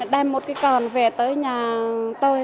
đem một cái con về tới nhà tôi